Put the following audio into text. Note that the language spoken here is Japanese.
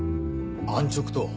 安直とは？